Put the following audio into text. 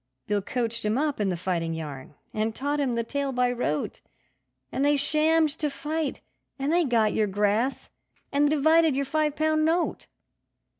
Bill coached him up in the fighting yarn, and taught him the tale by rote, And they shammed to fight, and they got your grass and divided your five pound note.